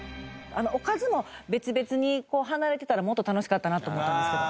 おかずも別々に離れてたらもっと楽しかったなと思ったんですけど。